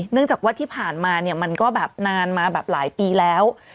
จากว่าที่ผ่านมาเนี่ยมันก็แบบนานมาแบบหลายปีแล้ว